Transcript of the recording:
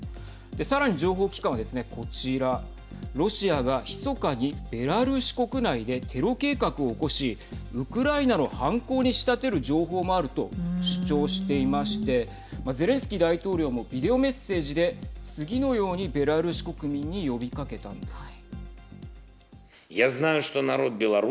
さらに情報機関はですね、こちらロシアが、ひそかにベラルーシ国内でテロ計画を起こしウクライナの犯行に仕立てる情報もあると主張していましてゼレンスキー大統領もビデオメッセージで次のようにベラルーシ国民に呼びかけたんです。